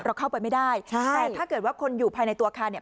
เราเข้าไปไม่ได้ใช่แต่ถ้าเกิดว่าคนอยู่ภายในตัวอาคารเนี่ย